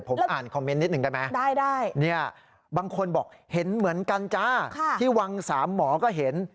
ผมอ่านคอมเมนต์นิดหนึ่งได้ไหมบางคนบอกเห็นเหมือนกันจ้าที่วังสามหมอก็เห็น